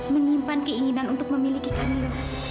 menyimpan keinginan untuk memiliki kami